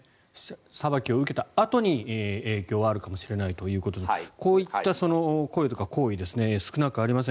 裁きを受けたあとに影響はあるかもしれないということでこういったその声とか行為は少なくありません。